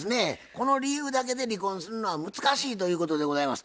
この理由だけで離婚するのは難しいということでございます。